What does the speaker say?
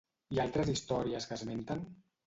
I altres històries que esmenten?